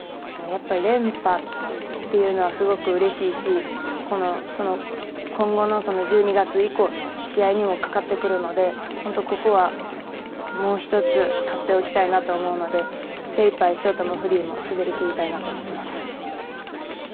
やっぱり連覇っていうのはすごくうれしいし今後の１２月以降の試合にもかかってくるので本当ここは、もう一つ勝っておきたいなと思うので精いっぱい、ショートもフリーも滑りきりたいなと思ってます。